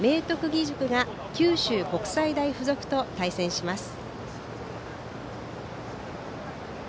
義塾が九州国際大付属と対戦します。